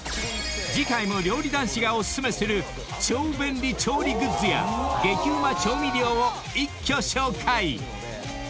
［次回も料理男子がお薦めする超便利調理グッズや激うま調味料を一挙紹介！］